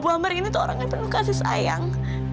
bu ambar ini tuh orang yang penuh kasih sayang